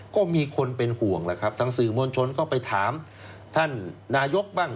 ก็มีคนเป็นห่วงแหละครับทางสื่อมวลชนก็ไปถามท่านนายกบ้าง